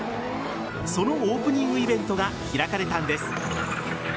そのオープニングイベントが開かれたんです。